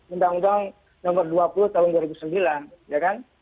undang undang nomor dua puluh tahun dua ribu sembilan